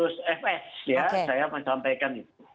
saya menyampaikan itu